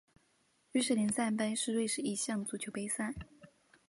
瑞士联赛杯是瑞士一项足球杯赛。